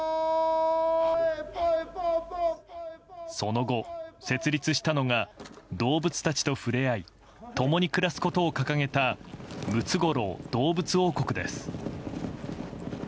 その後、設立したのが動物たちと触れ合い共に暮らすことを掲げたムツゴロウ動物王国です。